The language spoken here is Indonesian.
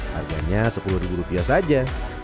harganya rp sepuluh saja